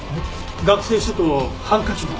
学生証とハンカチも。